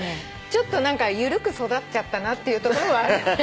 ちょっと何か緩く育っちゃったなっていうところはある。